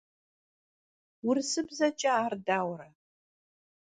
Vurısıbzeç'e ar dauere?